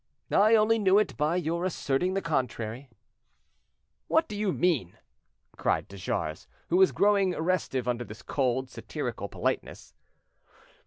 "I only knew it by your asserting the contrary." "What do you mean?" cried de Jars, who was growing restive under this cold, satirical politeness.